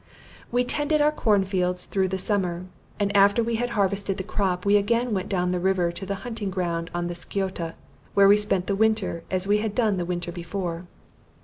We tended our cornfields through the summer; and after we had harvested the crop, we again went down the river to the hunting ground on the Sciota, where we spent the winter, as we had done the winter before.